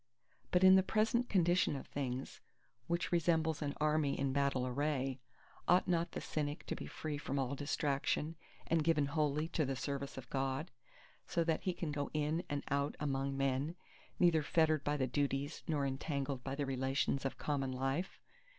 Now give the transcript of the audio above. But in the present condition of things, which resembles an Army in battle array, ought not the Cynic to be free from all distraction and given wholly to the service of God, so that he can go in and out among men, neither fettered by the duties nor entangled by the relations of common life?